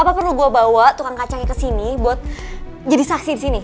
apa perlu gue bawa tukang kacangnya ke sini buat jadi saksi di sini